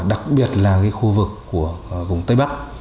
đặc biệt là khu vực của vùng tây bắc